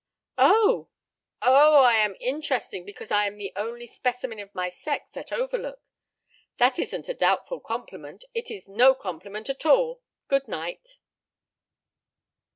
"Oh! oh! I am interesting because I am the only specimen of my sex at Overlook. That isn't a doubtful compliment; it is no compliment at all. Good night."